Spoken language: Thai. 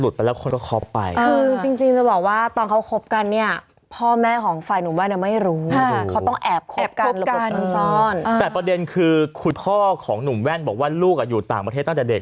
แต่ประเด็นคือคุณพ่อของหนุ่มแว่นบอกว่าลูกอยู่ต่างประเทศตั้งแต่เด็ก